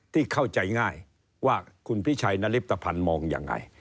ที่เข้าใจง่ายว่าคุณพิชัยนริปตภัณฑ์มองยังไง